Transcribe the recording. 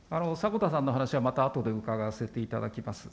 こたさんの話は、またあとでうかがわせていただきます。